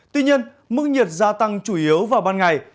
tuy nhiên mức nhiệt gia tăng chủ yếu vào ban ngày